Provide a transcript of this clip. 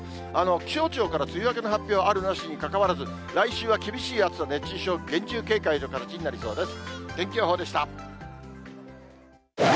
気象庁から梅雨明けの発表あるなしにかかわらず、来週は厳しい暑さ、熱中症厳重警戒の形になりそうです。